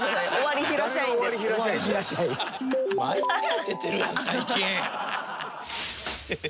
毎回当ててるやん最近！